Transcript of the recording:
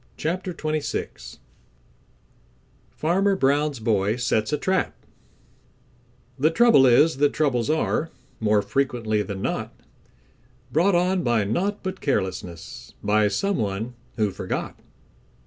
CHAPTER XXVI Farmer Brown's Boy Sets A Trap The trouble is that troubles are, More frequently than not, Brought on by naught but carelessness; By some one who forgot.